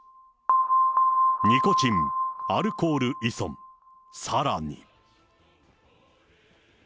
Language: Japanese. ニコチン、アルコール依存、さらに。